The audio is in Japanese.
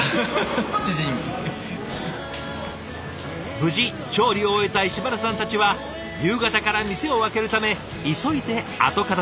無事調理を終えた石丸さんたちは夕方から店を開けるため急いで後片づけ。